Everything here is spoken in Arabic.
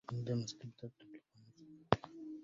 عندما استبدلت بالقاموس قلبي!